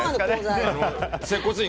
接骨院